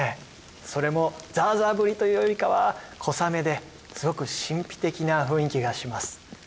それもザーザー降りというよりかは小雨ですごく神秘的な雰囲気がします。